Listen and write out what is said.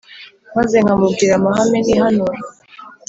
Maze nkamubwira amahame nihanura,